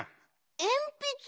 えんぴつ？